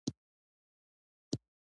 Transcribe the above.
مړه د زړونو تسکین ته محتاجه ده